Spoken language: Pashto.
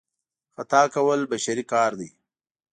خطا کول بشري کار دی.